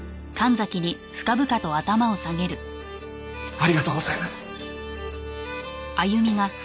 ありがとうございます。